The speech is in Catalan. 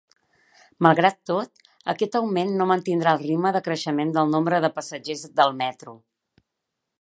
Malgrat tot, aquest augment no mantindrà el ritme de creixement del nombre de passatgers del metro.